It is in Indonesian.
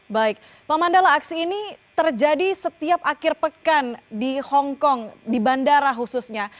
baik pak mandala aksi ini terjadi setiap akhir pekan di hongkong di bandara khususnya